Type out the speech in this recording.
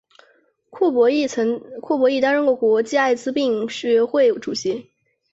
库珀亦担任过国际艾滋病学会主席。